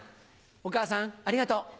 お母さんありがとう。